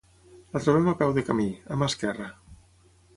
La trobem a peu de camí, a mà esquerra.